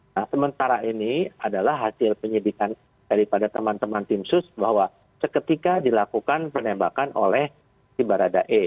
nah sementara ini adalah hasil penyidikan daripada teman teman tim sus bahwa seketika dilakukan penembakan oleh si baradae